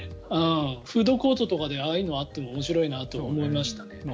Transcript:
フードコートとかでああいうのがあっても面白いなと思いましたね。